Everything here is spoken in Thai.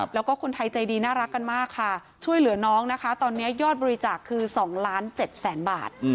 แล้วก็คนไทยใจดีน่ารักกันมากค่ะช่วยเหลือน้องนะคะตอนนี้ยอดบริจาคคือ๒ล้าน๗แสนบาท